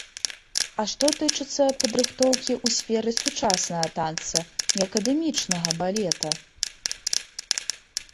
А што тычыцца падрыхтоўкі ў сферы сучаснага танца, не акадэмічнага балета?